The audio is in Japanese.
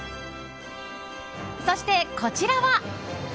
そして、こちらは。